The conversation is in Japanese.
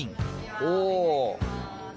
おお。